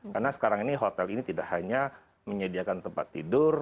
karena sekarang ini hotel ini tidak hanya menyediakan tempat tidur